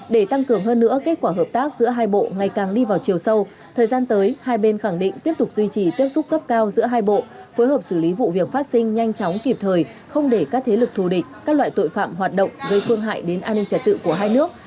để tăng cường hơn nữa kết quả hợp tác giữa hai bộ ngày càng đi vào chiều sâu thời gian tới hai bên khẳng định tiếp tục duy trì tiếp xúc cấp cao giữa hai bộ phối hợp xử lý vụ việc phát sinh nhanh chóng kịp thời không để các thế lực thù địch các loại tội phạm hoạt động gây phương hại đến an ninh trả tự của hai nước